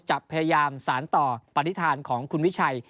จะพยายามสารต่อปฏิฐานของคุณวิชัย